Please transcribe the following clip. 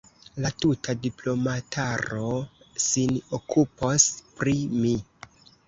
La tuta diplomataro sin okupos pri mi.